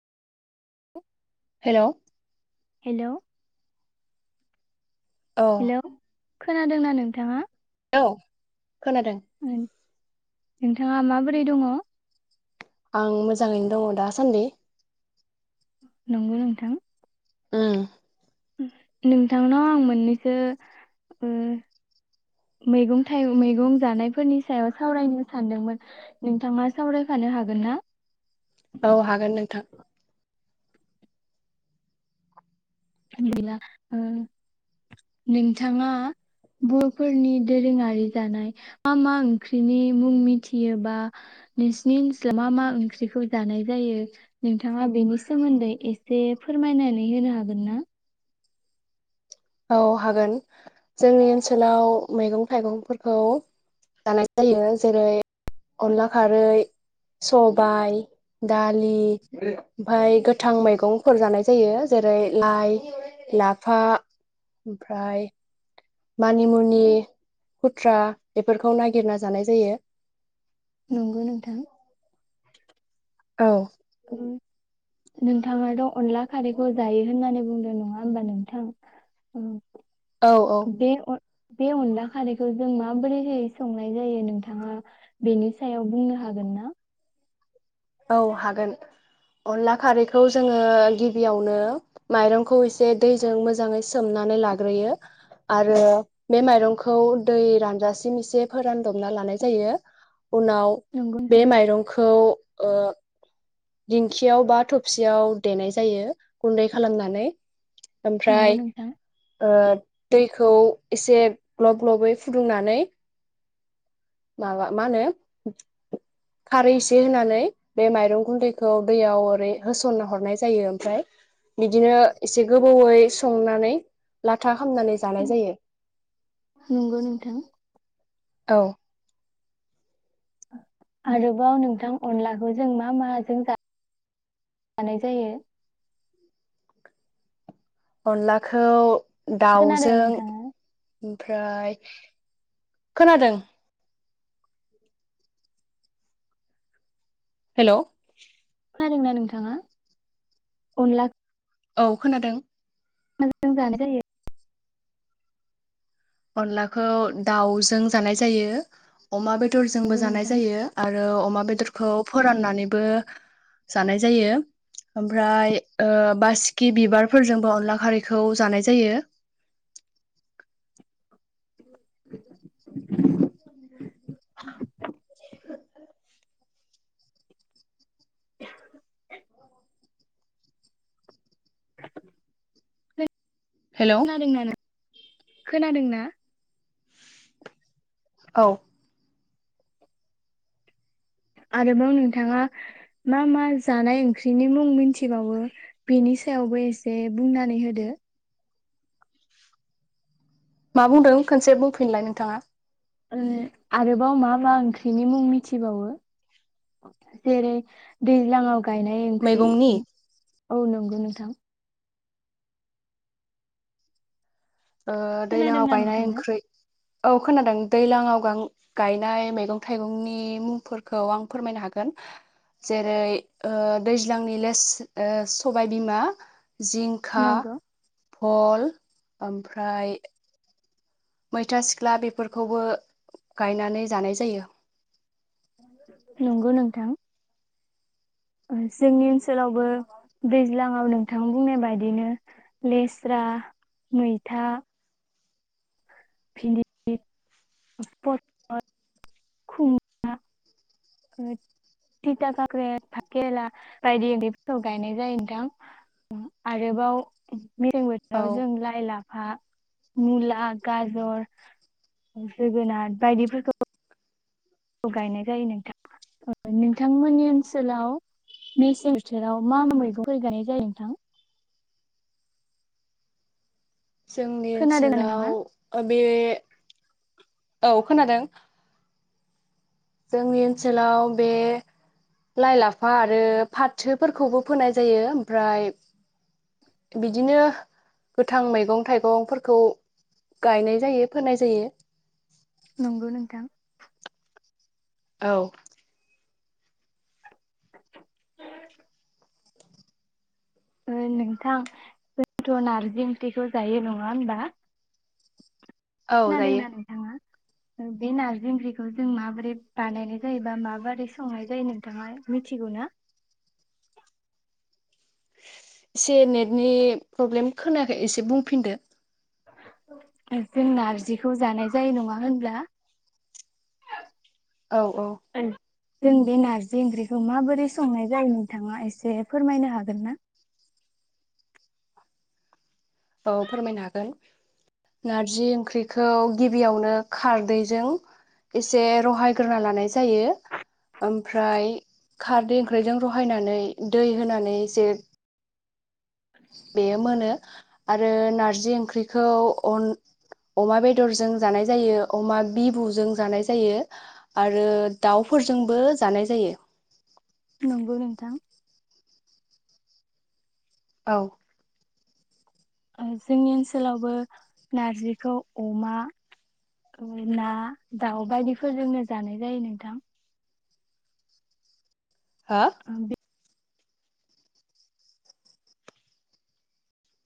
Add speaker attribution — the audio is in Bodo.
Speaker 1: [unintelligible]
Speaker 2: हेलौ
Speaker 1: हेलौ
Speaker 2: औ
Speaker 1: हेल' खोनादोंना नोंथाङा
Speaker 2: औे खोनादों
Speaker 1: नोंथाङा माबोरै दङ
Speaker 2: आं मोजाङैनो दङ दासान्दि
Speaker 1: नंगौ नोंथां।
Speaker 2: उम
Speaker 1: नोंथांनाव आं मोननैसो ओ मैगं थायगं मैगं जानायफोरनि सायाव सावरायनो सानदोंमोन नोंथाङा सावरायफानो हागोन ना?
Speaker 2: औ हागोन नोंथां।
Speaker 1: गैला ओ नोंथाङा बर'फोरनि दोरोङारि जानाय मा मा ओंख्रिनि मुं मिथियो बा नोंसिनि ओनसोलाव मा मा ओंख्रिखौ जानाय जायो नोंथाङा बेनि सोमोन्दै एसे फोरमायनानै होनो हागोन ना?
Speaker 2: औ हागोन जोंनि ओनसोलाव मैगं थाइगंफोरखौ जानाय जायो जेरै अनला खारै सबाय दालि ओमफ्राय गोथां मैगंफोर जानाय जायो जेरै लाइ लाफा ओमफ्राय मानिमुनि हुथ्रा बेफोरखौ नागिरना जानाय जायो
Speaker 1: नंगौ नोंथां।
Speaker 2: औ
Speaker 1: ओ नोंथाङाथ' अनला खारैखौ जायो होननानै बुंदों नङा होमबा नोंथां
Speaker 2: औ औ
Speaker 1: बे अ बे अनला खारैखौ जों माबोरैहै संनाय जायो नोंथाङा बेनि सायाव बुंनो हागोन ना?
Speaker 2: औ हागोन अनला खारैखौ जोङो गिबियावनो माइरंखौ एसे दैजों मोजाङै सोमनानै लाग्रोयो आरो बे माइरंखौ दै रानजासिम एसे फोरानदबना लानाय जायो उनाव
Speaker 1: नंगौ
Speaker 2: बे
Speaker 1: नोंथां
Speaker 2: माइरंखौ [unintelligible] दिंखियाव बा थबसियाव। देनाय जायो गुन्दै खालामनानै
Speaker 1: नंगौ
Speaker 2: ओमफ्राय
Speaker 1: नोंथां
Speaker 2: ओ दै खौ एसे ग्लब ग्लबै फुदुंनानै माबा मा होनो खारै एसे होनानै बे माइरं गुन्दैखौ दैयाव ओरै होसन हरनाय जायो ओमफ्राय बिदिनो एसे गो बौैयै संनानै लाथा खामनानै जानाय जायो।
Speaker 1: नंगौ नोंथां।
Speaker 2: औ
Speaker 1: आरोबाव नोंथां अनलाखौ जों मा माजों जानाय जायो
Speaker 2: अनलाखौ
Speaker 1: खोनादों
Speaker 2: दाउजों
Speaker 1: नोंथाङा?
Speaker 2: ओमफ्राय, खोनादों। हेलौ
Speaker 1: खोनादोंना नोंथाङा अनला
Speaker 2: औ खोनादों
Speaker 1: माजों जानाय जायो
Speaker 2: अनलाखौ दाउजों जानाय जायो। अमा बेदरजोंबो
Speaker 1: नंगौ
Speaker 2: जानाय
Speaker 1: नोंथां
Speaker 2: जायो आरो अमा बेदर खौ फोराननानैबो जानाय जायो ओमफ्राय ओ बासिकि बिबारफोरजोंबो अनला खारैखौ जानाय जायो।
Speaker 1: [inaudible]
Speaker 2: [inaudible] हेलौ
Speaker 1: खोनादों ना
Speaker 2: औ
Speaker 1: आरोबाव नोंथाङा मा मा जानाय ओंख्रिनि मुं मिथिबावो बेनि सायावबो एसे बुंनानै होदो
Speaker 2: मा बुंदों खनसे बुंफिनलाय नोंथाङा
Speaker 1: उम आरोबाव मा मा ओंख्रिनि मुं मिथिबावो जेरै दैज्लाङाव गायनाय ओंख्रि
Speaker 2: मैगंनि
Speaker 1: औ नंगौ नोंथां
Speaker 2: ओ दैलाङाव
Speaker 1: खोनादोंना
Speaker 2: गायनाय
Speaker 1: नोंथाङा?
Speaker 2: ओंख्रै औ खोनादों दैलांआव गां गायनाय मैगं थाइगंनि मुंफोरखौ आं फोरमायनो हागोन जेरै ओ दैज्लांनि लेस सबायबिमा जिंखा
Speaker 1: नंगौ
Speaker 2: फल ओमफ्राय मैथा सिख्ला बेफोरखौबो गायनानै जानाय जायो
Speaker 1: नंगौ नोंथां जोंनि ओनसोलावबो दैज्लाङाव नोंथां बुंनाय बायदिनो लेस्रा मैथा भिनदि दि पटल खुमब्रा थिथा काक्रेल भाट केरेला बायदि बेफोरखौ गायनाय जायो नोंथां आरोबाव मसें
Speaker 2: औ
Speaker 1: बोथोराव जों लाइ लाफ हा मुला गाजर जोगोनार बायदिफोरखौ गायनाय जायो नोंथां नोंथांमोननि ओनसोलाव मेसें बोथोराव मा मा मैगंफोर गायनाय जायो नोंथां
Speaker 2: जोंनि
Speaker 1: खोनादों
Speaker 2: ओनसोलाव
Speaker 1: नोंथाङा
Speaker 2: ओम बे औ खोनादों जोंनि ओनसोलाव बे लाइ लाफा आरो फाथोफोरखौबो फोनाय जायो ओमफ्राय बिदिनो गोथां मैगं थाइगंफोरखौ गायनाय जायो फोनाय जायो
Speaker 1: नंगौ नोंथां
Speaker 2: औ
Speaker 1: ओ नोंथां जोंथ नारजि ओंख्रिखौ जायो नङा होबा?
Speaker 2: औ जायो।
Speaker 1: खोनादोंना नोंथाङा बे नारजि ओंख्रिखौ जों माबोरै बानायनाय जायो बा माबोरै संनाय जायो नोंथाङा मिथिगौ ना
Speaker 2: एसे नेटनि प्रब्लेम खोनाखै एसे बुंफिनदो
Speaker 1: जों नारजिखौ जानाय जायो नङा होनब्ला
Speaker 2: औ औ
Speaker 1: ओं जों बे नारजि ओंख्रिखौ माबोरै संनाय जायो नोंथाङा एसे फोरमायनो हागोन ना
Speaker 2: औ फोरमायनो हागोन नारजि ओंख्रिखौ गिबियावनो खारदैजों एसे रहायग्रोना लानाय जायो ओमफ्राय खारदै ओंख्रिजों रहायनानै दै होनानै एसे बेयो मोनो आरो नारजि ओंख्रिखौ अन अमा बेदरजों जानाय जायो अमा बिबुजों जानाय जायो आरो दाउफोरजोंबो जानाय जायो
Speaker 1: नंगौ नोंथां
Speaker 2: औ
Speaker 1: जोंनि ओनसोलावबो नारजिखौ अमा ना दाउ बायदिफोरजोंनो जानाय जायो नोंथां
Speaker 2: हो?